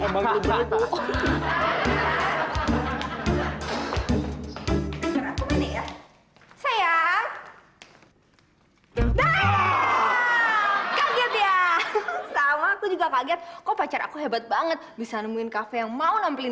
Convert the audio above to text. kaget ya sama aku juga kaget kok pacar aku hebat banget bisa nemuin kafe yang mau nampilin